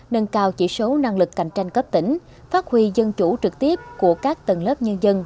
nâng cao chỉ số năng lực cạnh tranh cấp tỉnh phát huy dân chủ trực tiếp của các tầng lớp nhân dân